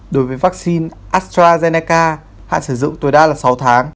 đối với vắc xin astrazeneca hạn sử dụng tuổi đa là sáu tháng